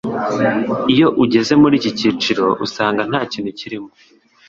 Iyo ugeze muri iki cy'iciro usanga ntakintu kirimo